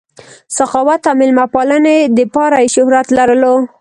سخاوت او مېلمه پالنې دپاره ئې شهرت لرلو